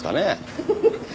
フフフッ！